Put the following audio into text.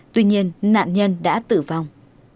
tuy nhiên nạn nhân đã tử vong